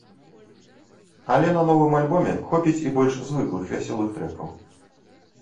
Але на новым альбоме хопіць і больш звыклых вясёлых трэкаў.